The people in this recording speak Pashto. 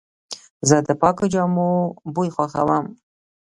زه د پاکو جامو بوی خوښوم.